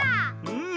うん。